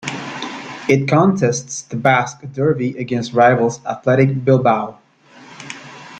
It contests the Basque derby against rivals Athletic Bilbao.